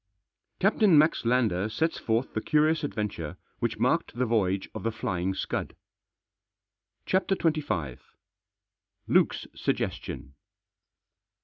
CAPTAIN MAX LANDER SETS FORTH THE CURIOUS AD VENTURE WHICH MARKED THE VOYAGE OF THE «« FLYING SCUD." CHAPTER XXV. LUKE'S SUGGESTION.